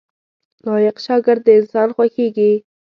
لايق شاګرد د استاد خوښیږي